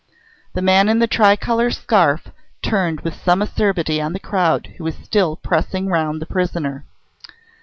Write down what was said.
The man in the tricolour scarf turned with some acerbity on the crowd who was still pressing round the prisoner.